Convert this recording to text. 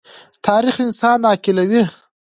تاریخ انسان عاقلوي.